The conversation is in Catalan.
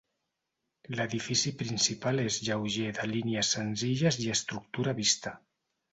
L'edifici principal és lleuger de línies senzilles i estructura vista.